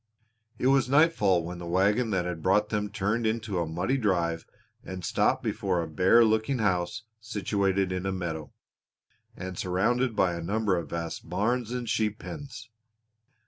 It was nightfall when the wagon that had brought them turned into a muddy drive and stopped before a bare looking house situated in a meadow, and surrounded by a number of vast barns and sheep pens.